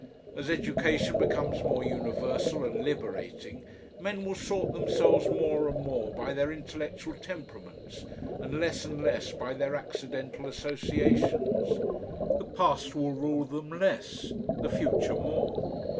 As education becomes more universal and liberating, men will sort themselves more and more by their intellectual temperaments and less and less by their accidental associations. The past will rule them less; the future more.